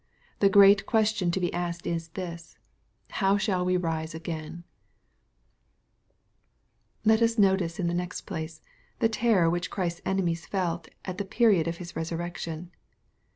The great question to be asked is this, " How shall we rise again ?" Let us notice in the next place, the terror which Ghrisfs enemies felt at the period of His resurrection.